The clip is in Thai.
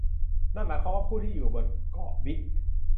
นั่นหมายความว่า ผู้ที่อยู่บนเกาะบิ๊ก